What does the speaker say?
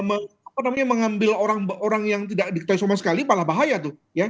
apa namanya mengambil orang orang yang tidak diketahui sama sekali malah bahaya tuh ya